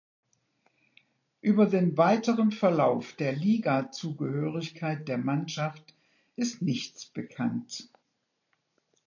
Über den weiteren Verlauf der Ligazugehörigkeit der Mannschaft ist nichts bekannt.